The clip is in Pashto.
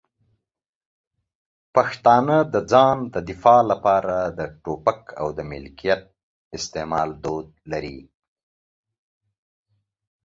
پښتانه د ځان د دفاع لپاره د ټوپک د ملکیت او استعمال دود لري.